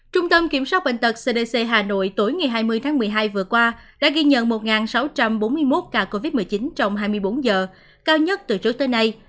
trung tâm kiểm soát bệnh tật cdc hà nội tối ngày hai mươi tháng một mươi hai vừa qua đã ghi nhận một sáu trăm bốn mươi một ca covid một mươi chín trong hai mươi bốn giờ cao nhất từ trước tới nay